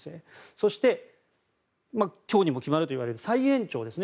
そして、今日にも決まるといわれる再延長ですね。